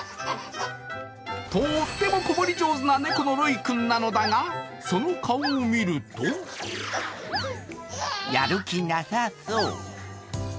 とーっても子守上手な猫のロイ君なのだが、その顔を見ると、やる気なさそう。